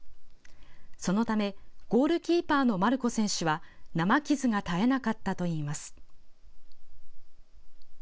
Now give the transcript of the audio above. そのため、ゴールキーパーのマルコ選手は、生傷が絶えなかったといいます。